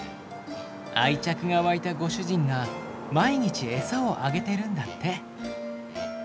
愛着が湧いたご主人が毎日餌をあげてるんだって。